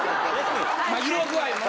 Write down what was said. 色具合もな。